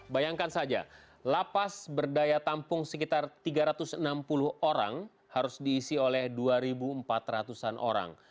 bayangkan saja lapas berdaya tampung sekitar tiga ratus enam puluh orang harus diisi oleh dua empat ratus an orang